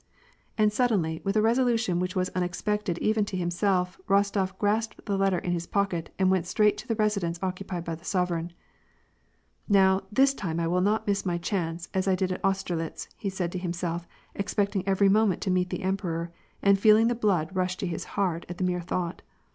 And suddenly, with a resolution which was unexpected even to himself, Bostof grasped the letter in his pocket, and went straight to the residence occupied by his sovereign. " Now, this time I will not miss my chance, as I did at Aus terlitz," he said to himself, expecting every moment to meet the emperor, and feeling the blood rush to his heart at the mere thought.